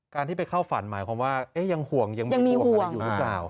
ที่ไปเข้าฝันหมายความว่ายังห่วงยังมีอะไรอยู่หรือเปล่า